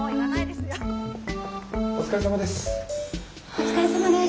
お疲れさまです。